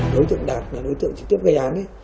đối tượng đạt là đối tượng trực tiếp gây án